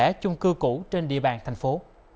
ở chung cư cũ trên địa bàn thành phố